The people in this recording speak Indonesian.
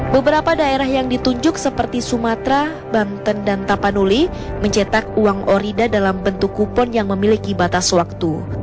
beberapa daerah yang ditunjuk seperti sumatera banten dan tapanuli mencetak uang orida dalam bentuk kupon yang memiliki batas waktu